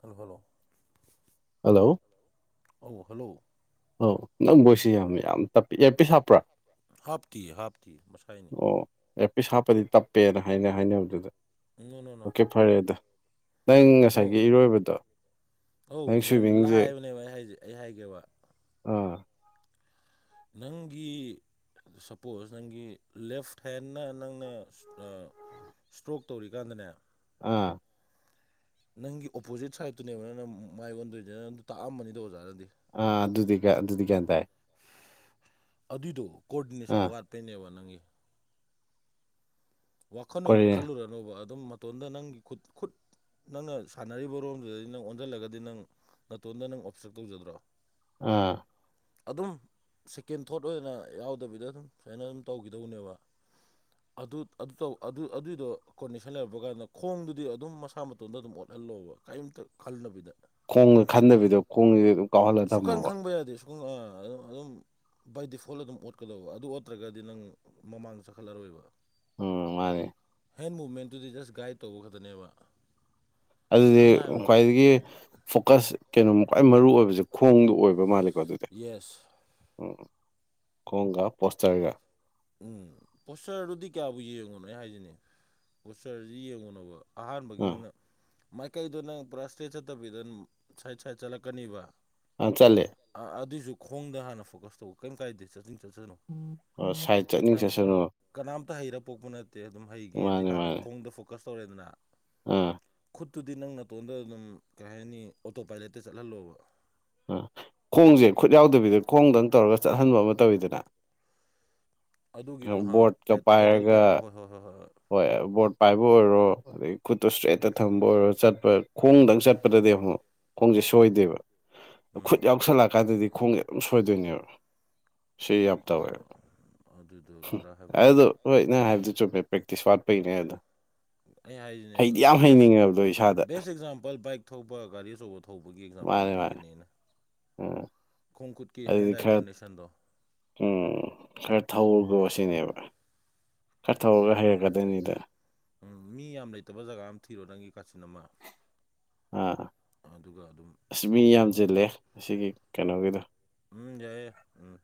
ꯍꯜꯂꫭ hello hello ꯑꯧ hello ꯑꯣ ꯅꯪ ꯃꯣꯏꯁꯤ ꯌꯥꯝ ꯌꯥꯝ ꯇꯞꯄꯤ ꯏꯔꯄꯤꯁ ꯍꯥꯞꯄꯔꯥ ꯍꯥꯞꯇꯤ ꯍꯥꯞꯇꯤ ꯃꯁꯥꯏꯅꯤ ꯑꯣ ꯑꯦꯔꯄꯤꯁ ꯍꯥꯞꯄꯗꯤ ꯇꯞꯄꯦꯅ ꯍꯥꯏꯅ ꯍꯥꯏꯅꯕꯗꯨꯗ ꯎꯝ ꯅꫭ ꯅꫭ ꯅꫭ ꯐꯔꯦ ꯑꯗꯣ ꯅꯪ ꯉꯁꯥꯏꯒꯤ ꯏꯔꯣꯏꯕꯗꯣ ꯅꯪ ꯁꯨꯏꯃꯤꯡꯁꯦ ꯂꯩꯕꯔ ꯑꯩꯍꯥꯏꯖꯦ ꯑꯩ ꯍꯥꯏꯒꯦꯕ ꯑꯥ ꯅꯪꯒꯤ ꯁꯄꯣꯁ ꯅꯪꯒꯤ ꯂꯦꯐ ꯍꯦꯟꯅ ꯅꯪꯅꯦ ꯏꯁ꯭ꯇ꯭ꫭꯛ ꯇꯧꯔꯤꯀꯥꯟꯗꯅꯦ ꯑꯥ ꯅꯪꯒꯤ ꯑꯣꯄꯣꯖꯤꯠ ꯁꯥꯏꯠꯇꯨꯅꯦꯕ ꯅꯪꯅ ꯃꯥꯏ ꯑꯣꯟꯗꯣꯏꯖꯦ ꯅꯪꯗꯨ ꯇꯥꯛꯑꯝꯃꯅꯤꯗ ꯑꯣꯖꯥꯅꯗꯤ ꯑ ꯑꯗꯨꯗꯤꯒ ꯑꯗꯨꯗꯤ ꯒ꯭ꯌꯥꯟ ꯇꯥꯏ ꯑꯗꯨꯏꯗꯣ ꯀꯣꯑꯣꯗꯤꯅꯦꯁꯟ ꯑꯥ ꯋꯥꯠꯄꯩꯅꯦꯕ ꯅꯪꯒꯤ ꯋꯥꯈꯜ ꯑꯣꯏꯅ ꯀꯣꯔꯤꯌꯥ ꯈꯜꯂꯨꯔꯅꯣꯕ ꯑꯗꯨꯝ ꯃꯇꯣꯟꯗ ꯅꯪꯒꯤ ꯈꯨꯠ ꯈꯨꯠ ꯅꯪꯅ ꯁꯥꯟꯅꯔꯤꯕ ꯔꯣꯝꯗꯨꯗꯗꯤ ꯅꯪ ꯑꯣꯟꯁꯤꯜꯂꯒꯗꯤ ꯅꯪ ꯅꯇꯣꯟꯗ ꯅꯪ ꯑꯣꯞꯖꯞ ꯇꯧꯖꯗ꯭ꯔꯣ ꯑꯥ ꯑꯗꯨꯝ ꯁꯦꯀꯦꯟ ꯊꯣꯠ ꯑꯣꯏꯅ ꯌꯥꯎꯗꯕꯤꯗ ꯑꯗꯨꯝ ꯁꯨꯃꯥꯏꯅ ꯑꯗꯨꯝ ꯇꯧꯈꯤꯗꯧꯅꯦꯕ ꯑꯗꯨ ꯑꯗꯨ ꯇꯧ ꯑꯗꯨ ꯑꯗꯨꯗꯣ ꯀꯣꯟꯅꯤꯁꯟ ꯂꯩꯕ ꯀꯥꯟꯗ ꯈꯣꯡꯗꯨꯗꯤ ꯑꯗꯨꯝ ꯃꯁꯥ ꯃꯇꯣꯟꯗ ꯑꯗꯨꯝ ꯑꯣꯠꯍꯜꯂꯣꯕ ꯀꯩꯝꯇ ꯈꯜꯂꯕꯤꯗ ꯈꯣꯡꯒ ꯈꯟꯗꯕꯤꯗꯣ ꯈꯣꯡꯖꯤ ꯑꯗꯨꯝ ꯀꯥꯎꯍꯜꯂ ꯊꯝꯃꯣꯕ ꯄꯨꯡꯑꯥ ꯑꯗꯨꯝ ꯑꯗꯨꯝ ꯕꯥꯏ ꯗꯤꯐꯣꯜꯠ ꯑꯗꯨꯝ ꯑꯣꯠꯀꯗꯧꯕ ꯑꯗꯨ ꯑꯣꯠꯇ꯭ꯔꯒꯗꯤ ꯅꯪ ꯃꯃꯥꯡꯗ ꯆꯠꯈꯠꯂꯔꯣꯏꯕ ꯎꯝ ꯃꯥꯅꯦ ꯍꯦꯟ ꯃꯨꯞꯃꯦꯟꯇꯨꯗꯤ ꯖꯁ ꯒꯥꯏꯠ ꯇꯧꯕ ꯈꯛꯇꯅꯦꯕ ꯑꯗꯨꯗꯤ ꯁꯝꯅ ꯍꯥꯏꯔꯕ ꯈ꯭ꯋꯥꯏꯗꯒꯤ ꯐꯣꯀꯁ ꯀꯩꯅꯣꯝ ꯈ꯭ꯋꯥꯏ ꯃꯔꯨ ꯑꯣꯏꯕꯖꯦ ꯈꯣꯡꯗ ꯑꯣꯏꯕ ꯃꯥꯜꯂꯦ ꯕꯗꯨꯗ ꯌꯦꯁ ꯎꯝ ꯈꯣꯡꯒ ꯄꯣꯁꯇ꯭ꯔꯒ ꯎꯝ ꯄꯣꯁꯆꯔꯗꯨꯗꯤ ꯀꯌꯥꯕꯨ ꯌꯦꯡꯉꯨꯅꯣ ꯑꯩ ꯍꯥꯏꯁꯤꯅꯦ ꯄꯣꯁꯆꯔꯁꯤ ꯌꯦꯡꯉꯨꯕ ꯑꯍꯥꯟꯕꯒꯤ ꯑꯥ ꯅꯪꯅ ꯃꯥꯏꯀꯩꯗꯣ ꯅꯪ ꯄꯨꯔꯥ ꯏꯁ꯭ꯇ꯭ꯔꯦꯠ ꯆꯠꯇꯕꯤꯗ ꯅꯪ ꯁꯥꯏꯠ ꯁꯥꯏꯠ ꯆꯠꯂꯛꯀꯅꯤꯕ ꯑꯥ ꯆꯠꯂꯦ ꯑ ꯑꯗꯨꯏꯁꯨ ꯈꯣꯡꯗ ꯍꯥꯟꯅ ꯐꯣꯀꯁ ꯇꯧꯕ ꯀꯩꯝ ꯀꯥꯏꯗꯦ ꯆꯠꯅꯤꯡ ꯆꯠꯁꯅꯣ ꯑꯣ ꯁꯥꯏꯠ ꯆꯠꯅꯤꯡ ꯃꯔꯝ ꯆꯠꯁꯅꯨ ꯀꯅꯥꯝꯇ ꯍꯩꯔ ꯄꯣꯛꯄ ꯅꯠꯇꯦ ꯑꯗꯨꯝ ꯍꯩꯒꯦꯗꯤ ꯃꯥꯅꯦ ꯍꯥꯟꯅ ꯃꯥꯅꯦ ꯈꯣꯡꯗ ꯐꯣꯀꯁ ꯇꯧꯔꯦꯗꯅ ꯑꯥ ꯈꯨꯠꯇꯨꯗꯤ ꯅꯪ ꯅꯥꯇꯣꯟꯗ ꯑꯗꯨꯝ ꯀꯩ ꯍꯥꯏꯅꯤ ꯑꯣꯇꯣ ꯄꯥꯏꯂꯦꯠꯇ ꯆꯠꯍꯜꯂꯣꯕ ꯑꯥ ꯈꯣꯡꯖꯦ ꯈꯨꯠ ꯌꯥꯎꯗꯕꯤꯗ ꯈꯣꯡꯗꯪ ꯇꯧꯔꯒ ꯆꯠꯍꯟꯕ ꯑꯃ ꯇꯧꯋꯤꯗꯅ ꯑꯗꯨꯒꯤꯗꯨ ꯍꯥꯥ ꯄꯦꯠ ꯄꯦꯗꯜ ꯄꯥꯏꯔꯒ ꯍꯣꯏ ꯍꯣꯏ ꯍꯣꯏ ꯍꯣꯏ ꯍꯣꯏ ꯍꯣꯏ ꯕꯣꯠ ꯄꯥꯏꯕ ꯑꯣꯏꯔꯣ ꯑꯗꯩ ꯈꯨꯠꯇꯣ ꯏꯁꯇ꯭ꯔꯦꯠꯇ ꯊꯝꯕ ꯑꯣꯏꯔꯣ ꯆꯠꯄ ꯈꯣꯡꯗꯪ ꯆꯠꯄꯗꯗꯤ ꯑꯃꯨꯛ ꯈꯣꯡꯖꯦ ꯁꯣꯏꯗꯦꯕ ꯈꯨꯠ ꯎꯝ ꯌꯥꯎꯁꯜꯂꯛꯑꯀꯥꯟꯗꯗꯤ ꯈꯣꯡꯖꯦ ꯑꯗꯨꯝ ꯁꯣꯏꯗꯣꯏꯅꯦꯕ ꯁꯤ ꯌꯥꯝ ꯇꯧꯋꯦ ꯑꯗꯨꯗꯣ ꯈꯔ ꯍꯥꯏꯕꯗꯤ ꯑꯗꯨꯗꯣ ꯍꯣꯏ ꯅꯪ ꯍꯥꯏꯕꯗꯣ ꯆꯨꯝꯃꯦ ꯄ꯭ꯔꯦꯛꯇꯤꯁ ꯋꯥꯠꯄꯩꯅꯦ ꯑꯗꯨ ꯑꯩꯅ ꯍꯥꯏꯖꯤꯅꯦ ꯕꯦꯠꯁ ꯍꯩꯅꯤꯡꯉꯕꯗꯣ ꯏꯁꯥꯗ ꯕꯦꯁ ꯑꯦꯛꯖꯥꯝꯄꯜ ꯕꯥꯏꯛ ꯊꯧꯕ ꯒꯥꯔꯤ ꯑꯆꯧꯕ ꯊꯧꯕꯒꯤ ꯑꯦꯛꯖꯥꯝꯄꯜ ꯃꯥꯅꯦ ꯃꯥꯅꯦ ꯄꯤꯒꯅꯤ ꯑꯩꯅ ꯎꯝ ꯈꯣꯡꯈꯨꯠ ꯑꯗꯨꯗꯤ ꯈꯔ ꯎꯝ ꯈꯔ ꯊꯧꯔꯨꯒꯣ ꯁꯤꯅꯦꯕ ꯈꯔ ꯊꯧꯔꯒ ꯌꯥ ꯍꯩꯔꯛꯀꯗꯣꯏꯅꯤꯗꯥ ꯎꯝ ꯃꯤ ꯌꯥꯝ ꯂꯩꯇꯕ ꯖꯒꯥ ꯑꯃ ꯊꯤꯔꯣ ꯅꯪꯒꯤ ꯀꯥꯆꯤꯟ ꯑꯃ ꯍꯥ ꯑ ꯑꯗꯨꯒ ꯑꯗꯨꯝ ꯑꯁ ꯃꯤ ꯌꯥꯝ ꯍꯧꯖꯤꯜꯂꯣ ꯆꯤꯜꯂꯦ ꯑꯁꯤꯒꯤ ꯀꯩꯅꯣꯒꯤꯗꯣ ꯎꯝ ꯌꯥꯏꯌꯦ ꯎꯝ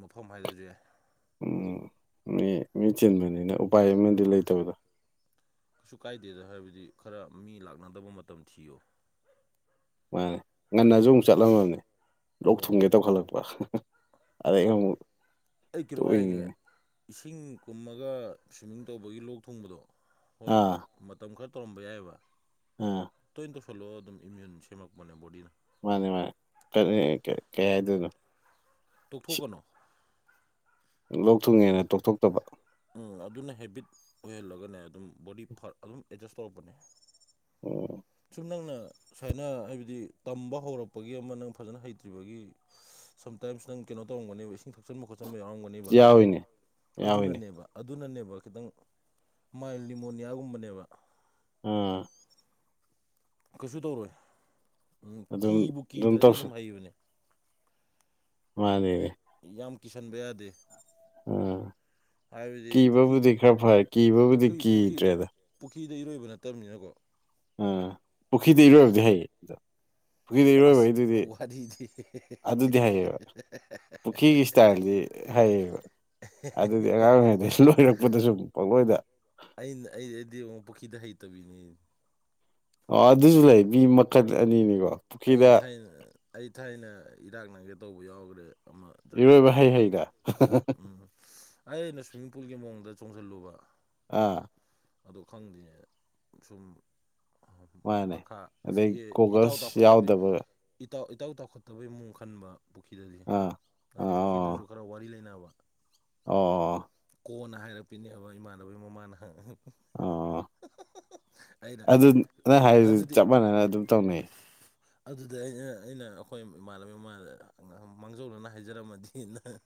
ꯃꯐꯝ ꯍꯥꯏꯗꯁꯨ ꯌꯥꯏ ꯎꯝ ꯃꯤ ꯃꯤ ꯆꯤꯟꯕꯅꯤꯅ ꯎꯄꯥꯏ ꯑꯃꯗꯤ ꯂꯩꯇꯕꯗꯣ ꯀꯩꯁꯨ ꯀꯥꯏꯗꯦꯗ ꯍꯥꯏꯕꯗꯤ ꯈꯔ ꯃꯤ ꯂꯥꯛꯅꯗꯕ ꯃꯇꯝ ꯊꯤꯌꯨ ꯃꯥꯅꯦ ꯉꯟꯅꯖꯨ ꯑꯃꯨꯛ ꯆꯠꯂꯝꯃꯕꯅꯤ ꯑꯣ ꯂꯣꯛ ꯊꯨꯡꯒꯦ ꯇꯧꯈꯠꯂꯛꯄ ꯑꯗꯩ ꯑꯃꯨꯛ ꯑꯩ ꯀꯤꯔꯣ ꯍꯥꯏꯒꯦ ꯇꯣꯛꯏꯅꯤꯅꯦ ꯏꯁꯤꯡ ꯀꯨꯝꯃꯒ ꯁ꯭ꯋꯤꯝꯃꯤꯡ ꯇꯧꯕꯒꯤ ꯂꯣꯛ ꯊꯨꯡꯕꯗꯣ ꯍꯣꯏ ꯑꯥ ꯃꯇꯝ ꯈꯔ ꯇꯧꯔꯝꯕ ꯌꯥꯏꯑꯕ ꯎꯝ ꯇꯣꯏꯅ ꯇꯧꯁꯤꯜꯂꯣ ꯑꯗꯨꯝ ꯏꯃ꯭ꯌꯨꯟ ꯁꯦꯝꯃꯛꯄꯅꯦ ꯕꯣꯗꯤꯅ ꯃꯥꯅꯦ ꯃꯥꯅꯦ ꯀꯩ ꯍꯥꯏꯗꯣꯏꯅꯣ ꯇꯣꯛꯊꯣꯛꯀꯅꯣ ꯂꯣꯛ ꯊꯨꯡꯉꯦꯅ ꯇꯣꯛꯊꯣꯛꯇꯕ ꯎꯝ ꯑꯗꯨꯅ ꯍꯦꯕꯤꯠ ꯑꯣꯏꯍꯜꯂꯒꯅꯦ ꯑꯗꯨꯝ ꯕꯣꯗꯤ ꯐꯛ ꯑꯗꯨꯝ ꯑꯦꯠꯖꯁ ꯇꯧꯔꯛꯄꯅꯦ ꯑꯣ ꯁꯨꯝ ꯅꯪꯅ ꯁꯨꯃꯥꯏꯅ ꯍꯥꯏꯕꯗꯤ ꯇꯝꯕ ꯍꯧꯔꯛꯄꯒꯤ ꯑꯃ ꯅꯪ ꯐꯖꯅ ꯍꯩꯇ꯭ꯔꯤꯕꯒꯤ ꯁꯝꯇꯥꯏꯝꯁ ꯅꯪ ꯀꯩꯅꯣ ꯇꯧꯔꯝꯒꯅꯦꯕ ꯏꯁꯤꯡ ꯊꯛꯆꯟꯕ ꯈꯣꯠꯆꯟꯕ ꯌꯥꯎꯔꯝꯒꯅꯦꯕ ꯌꯥꯎꯏꯅꯦ ꯌꯥꯎꯏꯅꯦ ꯑꯗꯨꯅꯅꯦꯕ ꯑꯗꯨꯅꯅꯦꯕ ꯈꯤꯇꯪ ꯃꯥꯏꯜ ꯂꯤꯃꯣꯅꯤꯌꯥꯒꯨꯝꯕꯅꯦꯕ ꯑꯣ ꯀꯩꯁꯨ ꯇꯧꯔꯣꯏ ꯑꯗꯨꯝ ꯀꯤꯕꯨ ꯀꯤꯗ꯭ꯔꯗꯤ ꯇꯧꯁꯤ ꯑꯗꯨꯝ ꯍꯩꯕꯅꯦ ꯃꯥꯟꯅꯦꯃꯤ ꯌꯥꯝ ꯀꯤꯁꯟꯕ ꯌꯥꯗꯦ ꯑꯥ ꯍꯥꯏꯕꯗꯤ ꯀꯤꯕꯕꯨꯗꯤ ꯄꯨꯈ꯭ꯔꯤꯗ ꯈꯔ ꯐꯔꯦ ꯀꯤꯕꯕꯨꯗꯤ ꯄꯨꯈ꯭ꯔꯤ ꯄꯨꯈ꯭ꯔꯤ ꯀꯤꯗ꯭ꯔꯦꯗ ꯄꯨꯈ꯭ꯔꯤꯗ ꯏꯔꯣꯏꯕ ꯅꯠꯇꯕꯅꯤꯅꯀꯣ ꯎꯝ ꯄꯨꯈ꯭ꯔꯤꯗ ꯏꯔꯣꯏꯕꯗꯤ ꯍꯩꯌꯦ ꯄꯨꯈ꯭ꯔꯤꯗ ꯑꯁ ꯏꯔꯣꯏꯕꯩꯗꯨꯗꯤ ꯋꯥꯔꯤꯗꯤ ꯑꯗꯨꯗꯤ ꯍꯩꯌꯦꯕ ꯄꯨꯈ꯭ꯔꯤꯒꯤ ꯁ꯭ꯇꯥꯏꯜꯗꯤ ꯍꯩꯌꯦꯕ ꯑꯗꯨꯒꯤ ꯑꯉꯥꯡ ꯑꯣꯏꯔꯤꯉꯩꯗꯁꯨ ꯂꯣꯏꯔꯛꯄꯗ ꯁꯨꯝ ꯄꯡꯂꯣꯏꯗ ꯑꯩꯅ ꯑꯩ ꯑꯩꯗꯤ ꯑꯃꯨꯛ ꯄꯨꯈꯤꯗ ꯍꯩꯇꯕꯤꯅꯤ ꯑꯣ ꯑꯗꯨꯁꯨ ꯂꯩ ꯃꯤ ꯃꯈꯜ ꯑꯅꯤꯅꯤꯀꯣ ꯑꯩ ꯄꯨꯈ꯭ꯔꯤꯗ ꯊꯥꯏꯅ ꯑꯩ ꯊꯥꯏꯅ ꯏꯔꯥꯛꯅꯒꯦ ꯇꯧꯕ ꯌꯥꯎꯒꯔꯦ ꯏꯔꯣꯏꯕ ꯍꯩ ꯍꯩꯗ ꯎꯝ ꯑꯩꯅ ꯁ꯭ꯋꯤꯝꯃꯤꯡ ꯄꯨꯜꯒꯤ ꯃꯑꯣꯡꯗ ꯆꯣꯡꯖꯜꯂꯨꯕ ꯑꯥ ꯑꯗꯣ ꯈꯪꯗꯦꯅꯦ ꯁꯨꯝ ꯃꯥꯅꯦ ꯃꯈꯥ ꯑꯗꯩ ꯏꯇꯥꯎ ꯒꯣꯒꯜꯁ ꯇꯥꯎꯈꯠꯇꯕꯤ ꯌꯥꯎꯗꯕ ꯏꯇꯥꯎ ꯏꯇꯥꯎ ꯇꯥꯎꯈꯠꯇꯕꯩ ꯃꯑꯣꯡ ꯈꯟꯕ ꯄꯨꯈ꯭ꯔꯤꯗꯗꯤ ꯑꯥ ꯑꯗꯨ ꯄꯨꯈ꯭ꯔꯤꯗꯨꯁꯨ ꯑꯥ ꯈꯔ ꯋꯥꯔꯤ ꯂꯩꯅꯕ ꯑꯣ ꯀꯣꯟꯅ ꯍꯥꯏꯔꯛꯄꯤꯅꯦꯕ ꯏꯃꯥꯟꯅꯕꯩ ꯃꯃꯥꯅ ꯑꯣ ꯑꯩꯅ ꯑꯗꯨ ꯅꯪ ꯍꯥꯏꯔꯤꯗꯨꯗꯤ ꯑꯗꯨꯗꯤ ꯆꯞ ꯃꯥꯟꯅꯅ ꯑꯗꯨꯝ ꯇꯧꯅꯩ ꯑꯗꯨꯗ ꯑꯩꯅ ꯑꯩꯅ ꯑꯈꯣꯏ ꯏꯃꯥꯟꯅꯕꯩ ꯃꯃꯥꯗ ꯃꯥꯡꯖꯧꯅꯅ ꯍꯥꯏꯖꯔꯝꯃꯗꯤꯅ [inaudible]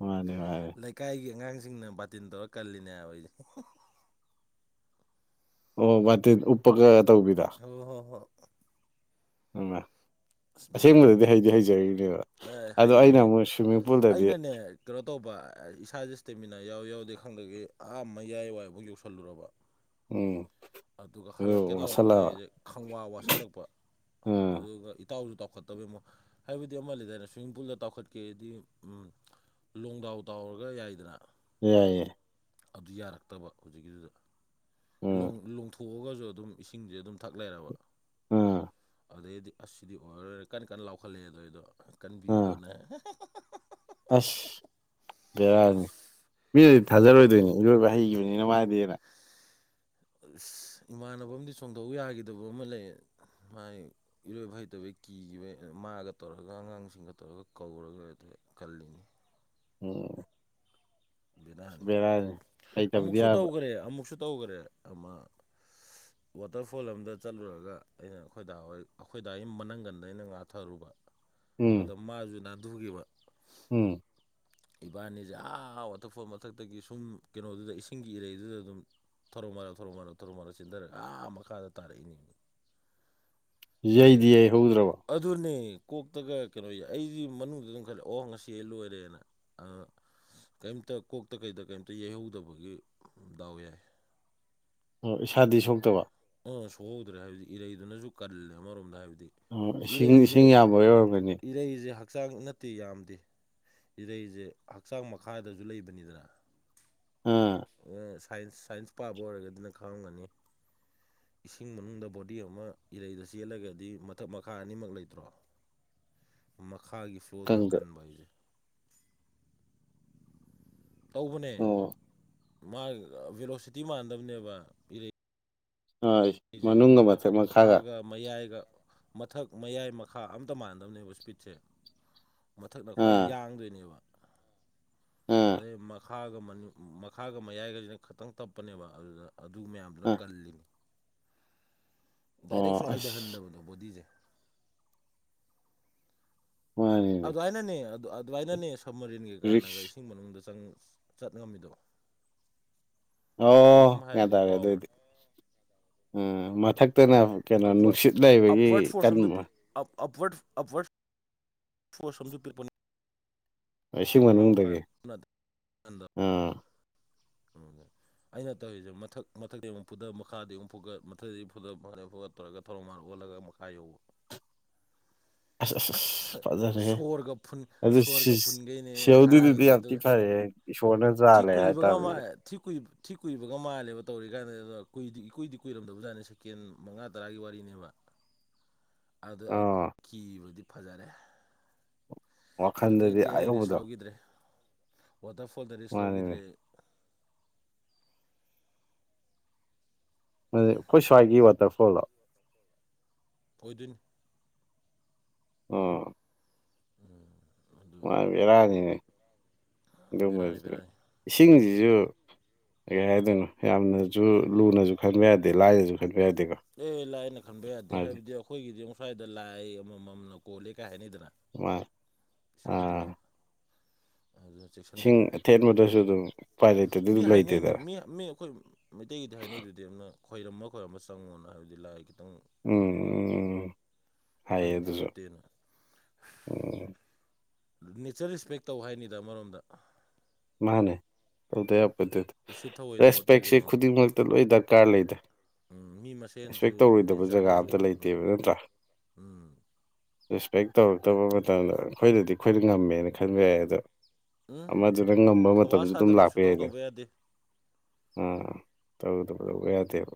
ꯃꯥꯟꯅꯦ ꯃꯥꯟꯅꯦ ꯀꯥꯏꯒꯤ ꯑꯉꯥꯡꯁꯤꯡꯅ ꯕꯥꯇꯤꯟ ꯇꯧꯔ ꯀꯜꯂꯤꯅꯦ ꯍꯥꯏꯕ ꯑꯩꯁꯦ ꯑꯣ ꯕꯥꯇꯤꯟ ꯎꯄꯒ ꯇꯧꯕꯤꯗꯣ ꯍꯣ ꯍꯣ ꯍꯣ [unintelligible] ꯑꯁ ꯕꯦꯔꯥꯅꯤ ꯑꯁꯦꯡꯕꯗꯗꯤ ꯍꯩꯗꯤ ꯍꯩꯖꯔꯤꯅꯦꯕ ꯑꯦ ꯑꯗꯣ ꯑꯩꯅ ꯍꯩꯔꯤꯅꯦ ꯑꯃꯨꯛ ꯁ꯭ꯋꯤꯝꯃꯤꯡ ꯄꯨꯜꯗꯗꯤ ꯑꯩꯅꯅꯦ ꯀꯩꯅꯣ ꯇꯧꯕ ꯏꯁꯥꯥꯁꯦ ꯁ꯭ꯇꯦꯃꯤꯅꯥ ꯌꯥꯎꯋꯤ ꯌꯥꯎꯗꯦ ꯈꯪꯗꯒꯩ ꯑꯥ ꯃꯌꯥꯏ ꯋꯥꯏꯕꯣꯛ ꯌꯧꯁꯜꯂꯨꯔꯕ ꯎꯝ ꯑꯗꯨꯒ ꯑꯗꯨ ꯍꯜꯂꯛꯀꯦ ꯇꯧꯔꯛꯄꯗ ꯋꯥꯠꯁꯜꯂꯕ ꯑꯩꯁꯦ ꯈꯪꯋꯥ ꯋꯥꯠꯁꯤꯜꯂꯛꯄ ꯎꯝ ꯑꯗꯨꯒ ꯏꯇꯥꯎꯁꯨ ꯇꯥꯎꯈꯠꯇꯕꯩ ꯃ ꯍꯥꯏꯕꯗꯤ ꯑꯃ ꯂꯩꯗꯥꯌꯅꯦ ꯁ꯭ꯋꯤꯃꯤꯡ ꯄꯨꯜꯗ ꯇꯥꯎꯈꯠꯀꯦꯗꯤ ꯎꯝ ꯂꯣꯡꯗꯥꯎ ꯇꯥꯎꯔꯒ ꯌꯥꯏꯗꯅ ꯌꯥꯏꯌꯦ ꯑꯗꯨ ꯌꯥꯔꯛꯇꯕ ꯍꯧꯖꯤꯛꯀꯤꯗꯨꯗ ꯎꯝ ꯂꯣꯡ ꯂꯣꯡ ꯊꯣꯛꯑꯒꯁꯨ ꯑꯗꯨꯝ ꯏꯁꯤꯡꯁꯦ ꯑꯗꯨꯝ ꯊꯛ ꯂꯩꯔꯕ ꯎꯝ ꯑꯗꯩꯗꯤ ꯑꯁ ꯁꯤꯗꯤ ꯑꯣꯏꯔꯔꯣꯏ ꯀꯟꯅ ꯀꯟꯅ ꯂꯥꯎꯈꯠꯂꯛꯑꯦꯗꯣ ꯑꯩꯗꯣ ꯎꯝ ꯀꯟꯕꯤꯌꯣꯅ ꯑꯁ ꯕꯦꯔꯥꯅꯤ ꯃꯤꯅꯗꯤ ꯊꯥꯖꯔꯣꯏꯗꯨꯏꯅꯤ ꯏꯔꯣꯏꯕ ꯍꯩꯈꯤꯕꯅꯤꯅ ꯃꯥꯗꯤꯅ ꯑꯁ ꯏꯃꯥꯟꯅꯕꯃꯗꯤ ꯆꯣꯡꯗꯧ ꯌꯥꯈꯤꯗꯕ ꯑꯃ ꯂꯩꯌꯦ ꯃꯥꯥꯏ ꯏꯔꯣꯏꯕ ꯍꯩꯇꯕꯩ ꯀꯤꯈꯤꯕꯩ ꯃꯥꯒ ꯇꯧꯔꯒ ꯑꯉꯥꯡꯁꯤꯡꯒ ꯇꯧꯔꯒ ꯀꯧꯔꯒ [unintelligible] ꯀꯜꯂꯤꯅꯤ ꯑꯣ ꯕꯦꯔꯥꯅꯤ ꯍꯩꯇꯕꯗꯤ ꯑꯃꯨꯛꯁꯨ ꯌꯥꯕ ꯇꯧꯒ꯭ꯔꯦ ꯑꯃꯨꯛꯁꯨ ꯇꯧꯒ꯭ꯔꯦ ꯑꯃ [inaudible] ꯋꯥꯇꯔꯐꯣꯜ ꯑꯝꯗ ꯆꯠꯂꯨꯔꯒ ꯑꯩꯅ ꯈꯣꯏꯗꯥ ꯍꯣꯏ ꯈꯣꯏꯗꯥꯒꯤ ꯃꯅꯪꯒꯟꯗ ꯑꯩꯅ ꯉꯥꯊꯔꯨꯕ ꯎꯝ ꯑꯗ ꯃꯥꯁꯨ ꯅꯥꯟꯊꯨꯒꯤꯕ ꯎꯝ ꯏꯕꯥꯅꯤꯁꯦ ꯑꯥ ꯋꯥꯇꯔꯐꯣꯜ ꯃꯊꯛꯇꯒꯤ ꯁꯨꯝ ꯀꯩꯅꯣꯗꯨꯗ ꯏꯁꯤꯡꯒꯤ ꯏꯔꯩꯗꯨꯗ ꯗꯨꯝ ꯊꯧꯛ ꯃꯔꯥꯜ ꯊꯧꯔꯣ ꯃꯔꯥꯜ ꯊꯔꯧ ꯃꯔꯜ ꯆꯤꯟꯊꯔꯒ ꯃꯈꯥꯗ ꯇꯥꯔꯛꯏꯅꯦꯅꯤ ꯌꯩꯗꯤ ꯌꯩꯍꯧꯗ꯭ꯔꯕ ꯑꯗꯨꯅꯦ ꯀꯣꯛꯇꯒ ꯀꯩꯅꯣ ꯑꯩꯁꯤ ꯃꯅꯨꯡꯗ ꯑꯗꯨꯝ ꯈꯜꯂꯦ ꯑꯣ ꯉꯁꯤ ꯂꯣꯏꯔꯦꯅ ꯀꯩꯝꯇ ꯀꯣꯛꯇ ꯀꯩꯗ ꯀꯔꯤꯝꯇ ꯌꯩꯍꯧꯗꯕꯒꯤ ꯗꯥꯎ ꯌꯥꯏ ꯑꯣ ꯏꯁꯥꯗꯤ ꯁꯣꯛꯇꯕ ꯑꯥ ꯁꯣꯛꯍꯧꯗ꯭ꯔꯦ ꯍꯥꯏꯕꯗꯤ ꯏꯔꯩꯗꯨꯅꯁꯨ ꯀꯜꯂꯦ ꯑꯃꯔꯣꯝꯗ ꯍꯥꯏꯕꯗꯤ ꯑꯣ ꯏꯁꯤꯡ ꯏꯔꯩꯁꯦ ꯏꯁꯤꯡ ꯌꯥꯝꯕꯩ ꯑꯣꯏꯔꯝꯒꯅꯤ ꯏꯔꯩꯁꯦ ꯍꯛꯆꯥꯡ ꯅꯠꯇꯦ ꯌꯥꯝꯗꯦ ꯏꯔꯩꯁꯦ ꯍꯛꯆꯥꯡ ꯃꯈꯥꯗꯁꯨ ꯂꯩꯕꯅꯤꯗꯅ ꯎꯝ ꯁꯥꯏꯟꯁ ꯁꯥꯏꯟꯁ ꯄꯥꯕ ꯑꯣꯏꯔꯒꯗꯤꯅ ꯈꯪꯉꯝꯒꯅꯤ ꯏꯁꯤꯡ ꯃꯅꯨꯡꯗ ꯕꯣꯗꯤ ꯑꯃ ꯏꯔꯩꯗ ꯆꯦꯜꯂꯒꯗꯤ ꯃꯊꯛ ꯃꯈꯥ ꯑꯅꯤꯃꯛ ꯂꯩꯇ꯭ꯔꯣ [inaudible] ꯃꯈꯥꯒꯤ ꯁꯣꯗꯅ ꯀꯪꯗ ꯀꯟꯕ ꯍꯥꯏꯁꯦ ꯇꯧꯕꯅꯦ ꯑꯣ ꯃꯥ ꯚꯦꯂꯣꯁꯤꯇꯤ ꯃꯥꯟꯅꯗꯕꯅꯦꯕ ꯏꯔꯩ ꯍꯣꯏ ꯑꯩꯁꯦ ꯃꯅꯨꯡꯗ ꯄꯈꯥꯒ ꯃꯌꯥꯏꯒ ꯃꯊꯛ ꯃꯌꯥꯏ ꯃꯈꯥ ꯑꯝꯇ ꯃꯥꯟꯅꯗꯕꯅꯦꯕ ꯏꯁ꯭ꯄꯤꯠꯁꯦ ꯃꯊꯛꯛꯇ ꯈ꯭ꯋꯥꯏ ꯑꯥ ꯌꯥꯡꯗꯣꯏꯅꯦꯕ ꯑꯥ ꯑꯗꯩ ꯃꯈꯥꯒ ꯃꯈꯥꯒ ꯃꯌꯥꯏꯒꯁꯤꯅ ꯈꯇꯪ ꯇꯞꯄꯅꯦꯕ ꯑꯗꯨꯗ ꯑꯗꯨ ꯃꯌꯥꯝꯗꯨꯅ ꯑꯥ ꯀꯜꯂꯤꯅꯤ ꯑꯣ ꯗꯥꯏꯔꯦꯛꯁꯨ ꯑꯁ ꯍꯥꯏꯊꯍꯟꯗꯕꯗꯣ ꯕꯣꯗꯤꯁꯦ ꯃ ꯑꯗꯨꯃꯥꯏꯅꯅꯦ ꯑꯗꯨ ꯑꯗꯨꯃꯥꯏꯅꯅꯦ ꯁꯕ ꯃꯔꯤꯟꯒꯤ ꯀꯥꯟꯅꯒ ꯔꯤꯛꯁ ꯏꯁꯤꯡ ꯃꯅꯨꯡꯗ ꯆꯪ ꯆꯠ ꯉꯝꯃꯤꯗꯣ ꯑꯣ ꯀꯩꯅꯣꯝ ꯌꯥ꯭ꯟ ꯍꯥꯏꯕꯅꯦ ꯇꯥꯔꯦ ꯀꯥꯎꯈ꯭ꯔꯦ ꯑꯗꯨꯑꯣꯏꯗꯤ ꯎꯝ ꯃꯊꯛꯇꯅ ꯀꯩꯅꯣ ꯅꯨꯡꯁꯤꯠ ꯂꯩꯕꯒꯤ ꯀꯟꯕ ꯑꯞꯋꯔ ꯑꯋꯔ ꯐꯣꯔ ꯁꯨ ꯄꯤꯔꯄꯅꯤ ꯏꯁꯤꯡ ꯃꯅꯨꯡꯗꯒꯤꯗꯒꯤ ꯑꯥ ꯑꯗ ꯑꯩꯅ ꯇꯧꯔꯤꯁꯦ ꯃꯊꯛ ꯃꯊꯛꯇ ꯑꯃꯨꯛ ꯐꯨꯊ ꯃꯈꯥꯗꯤ ꯑꯃꯨꯛ ꯐꯨꯀꯠ ꯃꯊꯛꯇ ꯑꯃꯨ ꯐꯨꯊ ꯃꯈ ꯐꯨꯀꯠꯠꯇꯧꯔꯒ ꯊꯧꯔꯝ ꯃꯥꯥꯟꯜ ꯑꯣꯜꯂꯒ ꯍꯥꯏꯌꯨ [unintelligible] ꯑꯁ ꯑꯁ ꯑꯁ ꯐꯖꯔꯦꯍꯦ ꯁꯣꯔꯒ ꯐꯨꯟ ꯑꯗꯨ ꯁꯣꯔꯒ ꯐꯨꯟꯈꯩꯅꯦꯅ ꯁꯦꯧꯗꯨꯗꯨꯗꯤ ꯈꯥꯡꯉꯤꯁꯦ ꯌꯥꯝ ꯊꯤ ꯑꯗꯨꯒ ꯐꯔꯦ ꯁꯣꯅꯦ ꯊꯤ ꯆꯂ ꯍꯥꯏ ꯀꯨꯏꯕꯒ ꯊꯤ ꯀꯨꯏ ꯊꯤ ꯀꯨꯏꯕꯒ ꯃꯥꯜꯂꯦꯕ ꯇꯧꯔꯤ ꯀꯗ ꯀꯨꯏꯗꯤ ꯏꯀꯨꯏꯗꯤ ꯀꯨꯏꯔꯝꯗꯕꯖꯥꯠꯅꯤꯛ ꯇꯀꯦꯟ ꯃꯉꯥ ꯇꯔꯥꯒꯤ ꯋꯥꯔꯤꯅꯦꯕ [inaudible] ꯑꯗ ꯑꯥ ꯀꯤꯕꯗꯤ ꯐꯖꯔꯦ ꯋꯥꯈꯜꯗꯗꯤ ꯑꯗꯨꯗꯩꯗꯤ ꯑꯩ ꯔꯤꯁ ꯑꯌꯧꯕꯗꯣ ꯂꯧꯈꯤꯗ꯭ꯔꯦ ꯋꯥꯇꯔꯐꯣꯜꯗ ꯔꯤꯛꯁ ꯃꯥꯅꯤꯅꯦ ꯂꯧꯈꯤꯗ꯭ꯔꯦ ꯑꯩꯈꯣꯏ ꯁ꯭ꯋꯥꯏꯒꯤ ꯋꯥꯇꯔꯐꯣꯜꯗꯣ ꯑꯣꯏꯗꯣꯏꯅꯤ ꯎꯝ ꯎꯝ ꯃꯥꯕꯔꯥꯅꯤꯅꯦ ꯑꯗꯨꯝꯕ ꯕꯦꯔꯥꯅꯤ ꯕꯦꯔꯥꯅꯤ ꯏꯁꯤꯡꯁꯤꯁꯨ ꯀꯩ ꯍꯥꯏꯗꯣꯏꯅꯣ ꯌꯥꯝꯅꯁꯨ ꯂꯨꯅꯁꯨ ꯈꯟꯕ ꯌꯥꯗꯦ ꯂꯥꯏꯅꯁꯨ ꯈꯟꯕ ꯌꯥꯗꯦꯀꯣ ꯑꯦ ꯂꯥꯏ ꯑꯅ ꯈꯟꯕ ꯌꯥꯗꯦ ꯃꯥꯗꯤ ꯍꯥꯏꯕꯗꯤ ꯑꯩꯈꯣꯏꯒꯤꯗꯤ ꯑꯃ ꯁ꯭ꯋꯥꯏꯗ ꯂꯥꯏ ꯑꯃꯃꯝꯅ ꯀꯣꯜꯂꯦ ꯀꯥꯏ ꯍꯥꯏꯅꯩꯗꯅ ꯋꯥ ꯁꯤꯡꯒꯨꯗꯤꯃꯥ ꯑꯗꯨ ꯏꯁꯤꯡ ꯆꯦꯛꯁꯤꯟꯒꯗꯧꯕ ꯑꯊꯦꯟꯕꯗꯁꯨ ꯑꯗꯨꯝ ꯎꯄꯥꯏ ꯂꯩꯇꯗꯤ ꯃꯤ ꯑꯗꯨꯝ ꯍꯥꯏꯅꯩꯅꯦ ꯂꯩꯇꯦꯗꯅ ꯃꯤ ꯃꯤ ꯑꯩꯈꯣꯏ ꯃꯩꯇꯩꯒꯤꯗꯤ ꯍꯥꯏꯅꯩꯗꯨꯗꯤ ꯑꯃꯅ ꯈꯣꯏꯔꯝꯕ ꯈꯣꯏꯔꯝꯕ ꯆꯪꯉꯣꯅ ꯍꯥꯏꯕꯗꯤ ꯂꯥꯏ ꯈꯤꯇꯪ ꯎꯝ ꯈꯣꯏꯔꯝꯃꯒ ꯎꯝ ꯍꯥꯏꯌꯦ ꯇꯧꯍꯩꯗꯦ ꯑꯗꯨꯁꯨ ꯈꯣꯠꯇꯦꯅ ꯎꯝ ꯅꯦꯆꯔ ꯔꯦꯁꯄꯦꯛ ꯇꯧ ꯍꯥꯏꯅꯤꯗ ꯑꯃꯔꯣꯝꯗ ꯃꯥꯅꯦ ꯇꯧꯗ ꯌꯥꯄꯗꯨ ꯎꯁꯤꯠ ꯊꯑꯣꯏꯗꯕ ꯔꯦꯁꯄꯦꯛꯁꯦ ꯇꯧꯒꯅꯣꯅ ꯈꯨꯗꯤꯡꯃꯛꯇ ꯂꯣꯏ ꯗꯔꯀꯥꯔ ꯂꯩꯗꯦ ꯎꯝ ꯃꯤ ꯃꯁꯦꯟꯁꯨ ꯅꯦꯆꯔꯗꯁꯨ ꯑꯝꯇ ꯎꯝ ꯂꯩꯇꯦꯕ ꯎꯝ ꯔꯦꯁꯄꯦꯛ ꯇꯧꯔꯛꯇꯕ ꯃꯇꯝꯗ ꯑꯩꯈꯣꯏꯅꯗꯤ ꯑꯩꯈꯣꯏꯗ ꯉꯝꯃꯦꯅ ꯈꯟꯕ ꯌꯥꯏ ꯑꯗꯣ ꯎꯝ ꯑꯗꯨꯅ ꯉꯝꯕ ꯊꯧꯋꯥ ꯃꯇꯝꯁꯨ ꯑꯗꯨꯝ ꯁꯥꯗꯕꯤ ꯂꯥꯛꯄ ꯁꯨꯇꯧ ꯌꯥꯏꯅꯦ ꯇꯧꯕ ꯌꯥꯗꯦ ꯎꯝ ꯇꯧꯗꯕꯗꯧꯕ ꯌꯥꯗꯦꯕ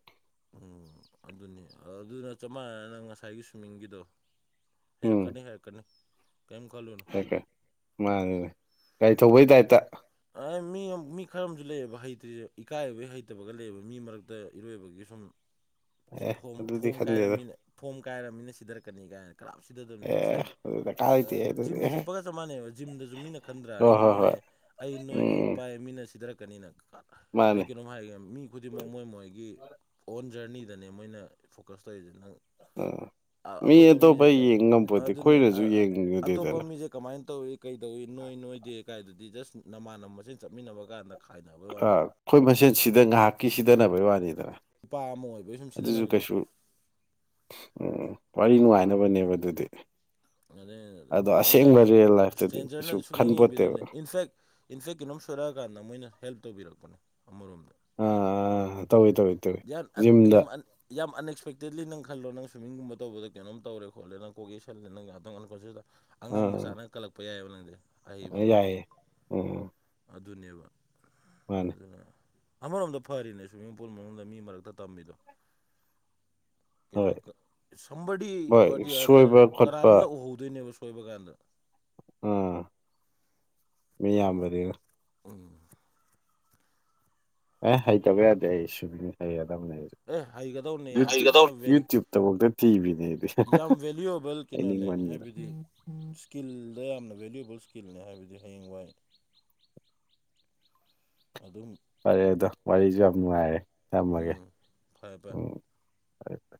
ꯑꯣ ꯑꯗꯨꯅꯤ ꯑꯗꯨꯅ ꯆꯞ ꯃꯥꯟꯅꯅ ꯉꯁꯥꯏꯒꯤ ꯁ꯭ꯋꯤꯝꯃꯤꯡꯒꯤꯗꯣ ꯎꯝ ꯍꯥꯏꯩꯔꯛꯀꯅꯤ ꯍꯥꯏꯔꯛꯀꯅꯤ ꯀꯔꯤꯝ ꯈꯜꯂꯨꯅꯣ ꯃꯥꯅꯦꯅꯦ ꯒꯥꯥꯏ ꯊꯧꯕꯩ ꯗꯥꯏꯇ ꯃꯤ ꯃꯤ ꯈꯔ ꯑꯃꯁꯨ ꯂꯩꯑꯕ ꯍꯩꯇ꯭ꯔꯤꯁꯦ ꯏꯀꯥꯏꯕꯒꯤ ꯍꯩꯇꯕꯒ ꯂꯩꯑꯕ ꯃꯤ ꯃꯔꯛꯇ ꯏꯔꯣꯏꯕꯒꯤ ꯁꯨꯝ ꯑꯦ ꯐꯣꯝ ꯑꯗꯨꯗꯤ ꯐꯣꯝ ꯈꯟꯗꯦꯗ ꯀꯥꯏꯃꯤꯅ ꯐꯣꯝ ꯀꯥꯏꯔꯕꯃꯤꯅ ꯁꯤꯊꯔꯛꯀꯅꯤ ꯀꯥꯏꯅ ꯀꯔꯝ ꯁꯤꯊꯗꯕꯅꯤ ꯏꯠꯁ ꯑꯦ ꯂꯥꯏꯛ ꯑꯗꯨ ꯗꯔꯀꯥꯔ ꯂꯩꯇꯦ ꯑꯗꯨꯗꯤ ꯖꯤꯝ ꯑꯦ ꯆꯠꯄꯒ ꯆꯞ ꯃꯥꯟꯅꯩꯕ ꯖꯤꯝꯗꯁꯨ ꯃꯤꯅ ꯈꯟꯗ꯭ꯔꯥ ꯑꯩ ꯍꯣꯏ ꯍꯣꯏ ꯍꯣꯏ ꯅꯣꯏꯌꯦ ꯑꯩ ꯅꯣꯏ ꯑꯩ ꯎꯝ ꯄꯥꯏ ꯃꯤꯅ ꯁꯤꯙꯔꯛꯀꯅꯤꯅ ꯑꯩ ꯃꯥꯅꯦ ꯀꯩꯅꯣꯝ ꯍꯥꯏꯒꯦ ꯃꯤ ꯈꯨꯗꯤꯡꯃꯛ ꯃꯣꯏ ꯃꯣꯏꯒꯤ ꯑꯣꯟ ꯖꯔꯅꯤ ꯁꯤꯗꯅꯦ ꯃꯣꯏꯅ ꯐꯣꯀꯁ ꯇꯧꯔꯤꯁꯤ ꯅꯪ ꯑꯥ ꯃꯤ ꯑꯇꯣꯞꯄ ꯃꯤꯁꯦ ꯌꯦꯡ ꯉꯝꯄꯣꯠꯇꯦ ꯑꯩꯈꯣꯏꯅꯁꯨ ꯑꯇꯣꯞꯄ ꯌꯦꯡꯅꯤꯡꯉꯨꯗꯦꯗꯅ ꯃꯤꯁꯦ ꯀꯃꯥꯏꯅ ꯇꯧꯏ ꯀꯩ ꯇꯧꯏ ꯅꯣꯏ ꯅꯣꯏꯗꯦ ꯀꯥꯏꯗꯨꯗꯤ ꯖꯁ ꯅꯃꯥꯟꯅ ꯃꯁꯦꯟ ꯆꯠꯃꯤꯟꯅꯕ ꯀꯥꯟꯗ ꯈꯥꯏꯅꯕꯩ ꯋꯥꯅꯤ ꯑꯩꯈꯣꯏ ꯃꯁꯦꯟ ꯁꯤꯗ ꯉꯥꯏꯍꯥꯛꯀꯤ ꯁꯤꯗꯅꯕꯩ ꯋꯥꯅꯤꯗꯅ ꯅꯨꯄꯥ ꯑꯃ ꯑꯣꯏꯕꯒꯤ ꯁꯨꯝ ꯑꯗꯨꯁꯨ ꯁꯤꯖꯤꯟꯅꯕꯗꯣ ꯀꯩꯁꯨ ꯎꯝ ꯋꯥꯔꯤ ꯅꯨꯡꯉꯥꯏꯅꯕꯅꯦꯕ ꯑꯗꯨꯗꯤ ꯑꯗꯨ ꯑꯗꯣ ꯊꯑꯣꯏꯅ ꯑꯁꯦꯡꯕ ꯔꯤꯌꯦꯜ ꯂꯥꯏꯐꯇꯗꯤ ꯀꯩꯁꯨ ꯏꯁꯇ꯭ꯔꯦꯟꯖꯔꯅꯗꯤ ꯁꯨꯛꯌꯦꯡ ꯈꯟꯄꯣꯠꯇꯦꯕ ꯌꯦꯡꯕꯤꯗꯕꯅꯦ ꯏꯟꯐꯦꯛ ꯏꯟꯐꯦꯛ ꯀꯟꯣꯝ ꯁꯣꯏꯔꯛꯑꯀꯥꯟꯗ ꯃꯣꯏꯅ ꯍꯦꯜꯞ ꯇꯧꯕꯤꯔꯛꯄꯅꯦ ꯑꯃꯔꯣꯝꯗ ꯑꯥ ꯇꯧꯋꯤ ꯇꯧꯋꯤ ꯇꯧꯋꯤ ꯌꯥꯝꯟꯟ ꯖꯤꯝꯗ ꯌꯥꯝꯝ ꯌꯥꯝ ꯑꯟꯑꯁꯄꯛꯇꯦꯗꯂꯤ ꯅꯪ ꯈꯜꯣ ꯅꯪ꯭ꯋꯤꯝꯡꯒꯨꯝꯕ ꯇꯧꯕꯗ ꯀꯩꯅꯣꯝꯧꯦ ꯈꯣꯠꯂ ꯅꯪ ꯀꯣꯀꯦ ꯁꯂꯦ ꯅꯪ ꯉꯇꯪ ꯑꯟꯀꯁꯤꯗ ꯑꯉꯥꯡ ꯑꯥ ꯃꯆꯥ ꯅꯪ ꯀꯜꯂꯛꯄ ꯌꯥꯏꯑꯕ ꯅꯪꯗꯤ ꯍꯍꯩꯕ ꯑꯃꯅ ꯌꯥꯏꯌꯦ ꯎꯝ ꯑꯗꯨꯅꯦꯕ ꯃꯥꯅꯦ ꯑꯗꯨꯅ ꯑꯃꯔꯣꯝꯗ ꯐꯔꯤꯅꯦ ꯁ꯭ꯋꯤꯃꯤꯡ ꯄꯨꯜ ꯃꯅꯨꯡꯗ ꯃꯤ ꯃꯔꯛꯇ ꯇꯝꯃꯤꯗꯣ ꯀꯩꯅꯣ ꯍꯣꯏ ꯁꯝꯕꯗꯤ ꯍꯣꯏ ꯑꯣꯏꯔꯗꯤ ꯑꯗꯔ ꯁꯣꯏꯕ ꯈꯣꯠꯄ ꯀꯅꯥꯔꯣꯝꯗ ꯎꯍꯧꯗꯣꯏꯅꯦꯕ ꯁꯣꯏꯕ ꯀꯥꯟꯗ ꯑꯥ ꯃꯤ ꯑ ꯌꯥꯝꯕꯅꯤꯅ ꯎꯝ ꯑꯦ ꯍꯩꯇꯕ ꯌꯥꯗꯦ ꯑꯩ ꯁꯨꯕꯤ ꯍꯩꯒꯗꯕꯅꯦ ꯑꯩ ꯑꯦ ꯍꯩꯒꯗꯧꯅꯦ ꯌꯥꯝ ꯊꯤꯅ ꯌꯨꯇ꯭ꯌꯨꯕꯇꯐꯥꯎꯗ ꯊꯤꯕꯤꯅꯦ ꯑꯩꯗꯤ ꯌꯥꯝ ꯚꯦꯂꯨꯑꯕꯜ ꯀꯦꯩꯅꯣꯅꯦ ꯍꯩꯅꯤꯡꯃꯟꯗꯅ ꯍꯥꯏꯕꯗꯤ ꯏꯁꯀꯤꯜꯗ ꯌꯥꯝꯅ ꯚꯦꯂꯨꯑꯦꯕꯜ ꯏꯁꯀꯤꯜꯅꯦ ꯍꯥꯏꯕꯗꯤ ꯍꯌꯦꯡꯋꯥꯏ ꯑꯗꯨꯝ ꯐꯔꯦ ꯑꯗꯣ ꯋꯥꯔꯤꯁꯨ ꯌꯥꯝ ꯅꯨꯡꯉꯥꯏꯔꯦ ꯊꯝꯃꯒꯦ ꯎꯝ ꯐꯔꯦ ꯐꯔꯦ ꯎꯝ ꯐꯔꯦ ꯐꯔꯦ